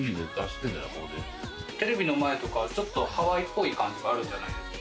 テレビの前とかちょっとハワイっぽい感じがあるんじゃないですか？